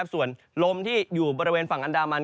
ส่วนลมที่อยู่บริเวณฝั่งอันดามัน